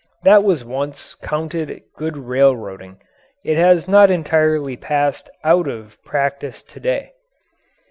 That was once counted good railroading. It has not entirely passed out of practice to day.